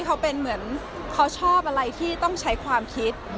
เขาเป็นเหมือนเขาชอบอะไรที่ต้องใช้ความคิด